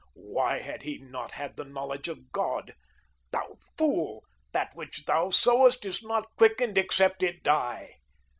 Why had he not had the knowledge of God? Thou fool, that which thou sowest is not quickened except it die.